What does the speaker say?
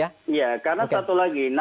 iya karena satu lagi